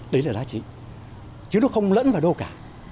đấy là giá trị chứ nó không lẫn vào đâu cả